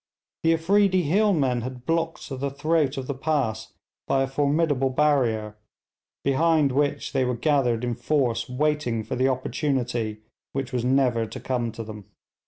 The Afreedi hill men had blocked the throat of the pass by a formidable barrier, behind which they were gathered in force, waiting for the opportunity which was never to come to them.